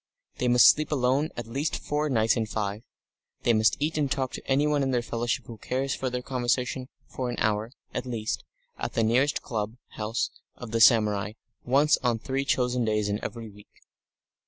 They must sleep alone at least four nights in five; and they must eat with and talk to anyone in their fellowship who cares for their conversation for an hour, at least, at the nearest club house of the samurai once on three chosen days in every week.